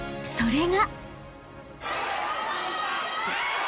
［それが］